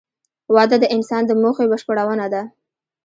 وده د انسان د موخې بشپړونه ده.